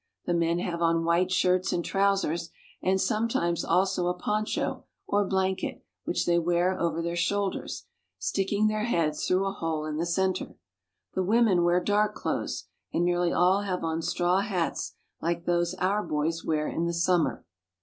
The men have on white shirts and trousers, and sometimes also a poncho, or blanket, which they wear over their shoulders, Indian Women. sticking their heads through a hole in the center. The women wear dark clothes, and nearly all have on straw hats like those our boys wear in the summer.